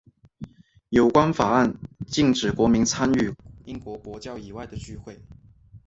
有关法案禁止国民参与英国国教以外的聚会。